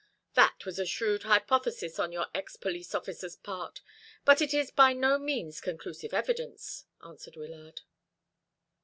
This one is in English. "That was a shrewd hypothesis on your ex police officer's part, but it is by no means conclusive evidence," answered Wyllard.